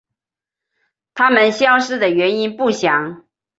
它们消失的原因不详。